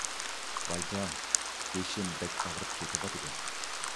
ۋايجان، بېشىم بەك ئاغرىپ كېتىۋاتىدۇ.